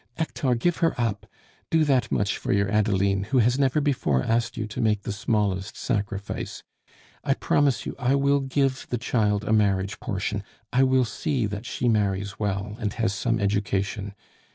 "Hector, give her up! Do that much for your Adeline, who has never before asked you to make the smallest sacrifice. I promise you I will give the child a marriage portion; I will see that she marries well, and has some education.